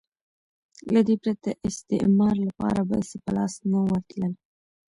له دې پرته استعمار لپاره بل څه په لاس نه ورتلل.